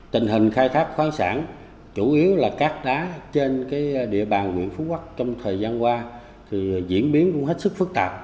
tình hình khai thác khoáng sản chủ yếu là cát đá trên địa bàn nguyễn phú quốc trong thời gian qua thì diễn biến cũng hết sức phức tạp